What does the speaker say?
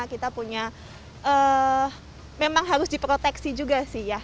kita punya memang harus diproteksi juga sih ya